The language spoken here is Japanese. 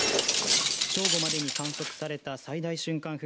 正午までに観測された最大瞬間